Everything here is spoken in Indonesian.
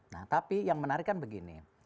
nah tapi yang menarik kan begini